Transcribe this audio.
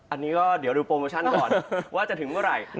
อันนี้ก็เดี๋ยวดูโปรโมชั่นก่อนว่าจะถึงเมื่อไหร่